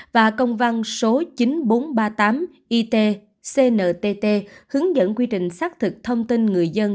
và công văn số chín nghìn bốn trăm ba mươi tám it cntt hướng dẫn quy trình xác thực thông tin người dân